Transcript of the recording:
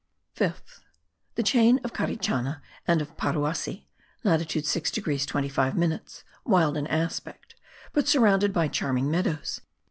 Fifth. The chain of Carichana and of Paruaci (latitude 6 degrees 25 minutes), wild in aspect, but surrounded by charming meadows.